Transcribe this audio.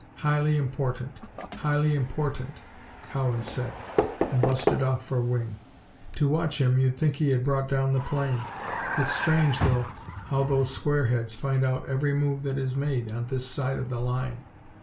'Highly important! Highly important!' Cowan said, and busted off for Wing. To watch him you'd think he had brought down the plane. It's strange, though, how those square heads find out every move that is made on this side of the line."